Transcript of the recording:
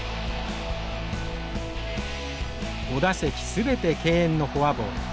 ５打席全て敬遠のフォアボール。